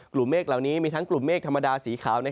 เมฆเหล่านี้มีทั้งกลุ่มเมฆธรรมดาสีขาว